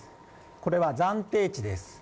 これは暫定値です。